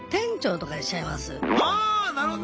あなるほどね。